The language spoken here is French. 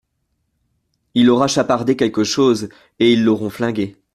il aura chapardé quelque chose, et ils l’auront flingué.